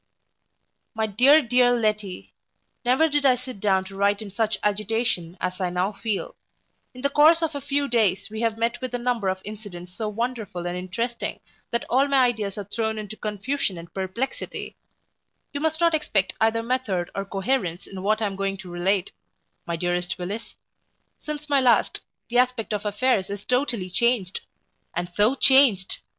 MY DEAR, DEAR LETTY, Never did I sit down to write in such agitation as I now feel In the course of a few days, we have met with a number of incidents so wonderful and interesting, that all my ideas are thrown into confusion and perplexity You must not expect either method or coherence in what I am going to relate my dearest Willis. Since my last, the aspect of affairs is totally changed! and so changed!